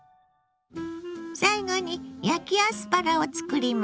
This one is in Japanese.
最後に焼きアスパラを作ります。